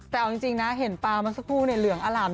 แต่เอาจริงนะเห็นปลามาสักครู่เหลืองอร่ำ